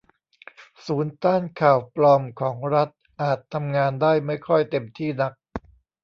ศูนย์ต้านข่าวปลอมของรัฐอาจทำงานได้ไม่ค่อยเต็มที่นัก